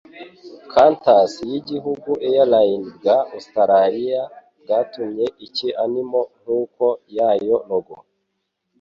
Qantus y'Igihugu Airline bwa Australiya bwatumye iki Animal Nk'uko yayo Logo